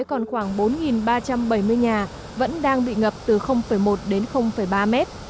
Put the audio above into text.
còn khoảng bốn ba trăm bảy mươi nhà vẫn đang bị ngập từ một đến ba mét